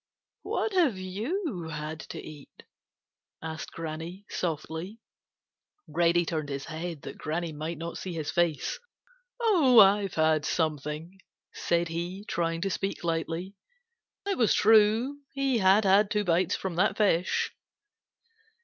"What have you had to eat?" asked Granny softly. Reddy turned his head that Granny might not see his face. "Oh, I've had something," said he, trying to speak lightly. It was true; he had had two bites from that fish.